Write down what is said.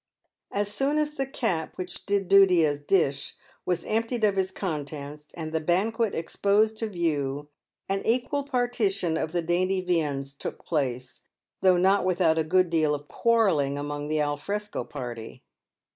As soon as the cap which did duty as dish, was emptied of its contents and the banquet exposed to view, an equal partition of the dainty viands took place, though not without a good deal of quarrelling among the alfresco party.